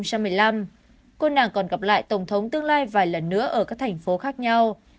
cô nàng còn gặp lại tổng thống tương lai vài lần nữa ở các thành phố khác nhau